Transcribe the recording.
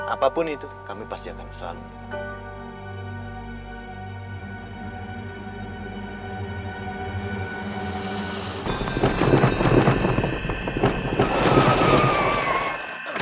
apapun itu kami pasti akan selalu